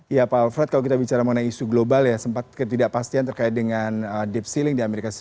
iya pak alfred kalau kita bicara mengenai isu global ya sempat ketidakpastian terkait dengan deep ceiling di as